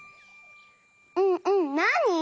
うんうんなに？